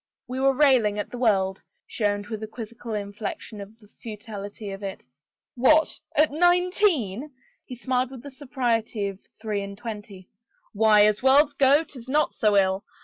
"We were railing at the world," she owned with a. quizzical inflection at the futility of it. " What — at nineteen ?" he smiled with the superiority of three and twenty. " Why, as worlds go, 'tis not so ill.